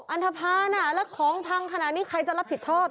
อันทภาณแล้วของพังขนาดนี้ใครจะรับผิดชอบ